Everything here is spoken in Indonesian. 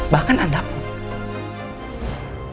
bahkan anda pun